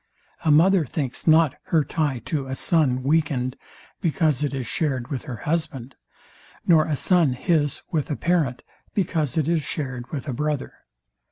A mother thinks not her tie to a son weakened, because it is shared with her husband: Nor a son his with a parent, because it is shared with a brother.